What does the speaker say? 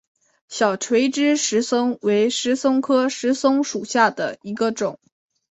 小垂枝石松为石松科石松属下的一个种。